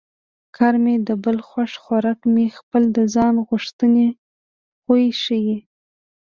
کار مې د بل خوښ خوراک مې خپل د ځان غوښتنې خوی ښيي